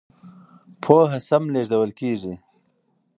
پوهه سم لېږدول کېږي.